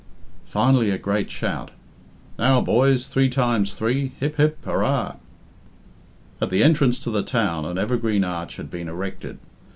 Finally a great shout. "Now, boys! Three times three! Hip, hip, hurrah!" At the entrance to the town an evergreen arch had been erected.